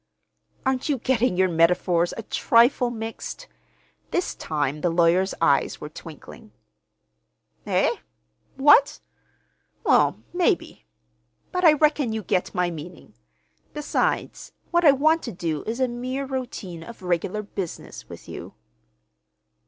"Aren't you getting your metaphors a trifle mixed?" This time the lawyer's eyes were twinkling. "Eh? What? Well, maybe. But I reckon you get my meaning. Besides, what I want you to do is a mere routine of regular business, with you."